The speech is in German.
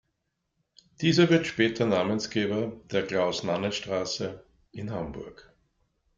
Dieser wird später Namensgeber der "Klaus-Nanne-Straße" in Hamburg.